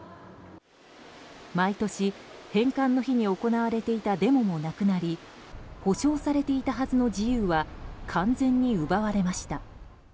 毎年、返還の日に行われていたデモもなくなり保障されていたはずの自由は完全に奪われました。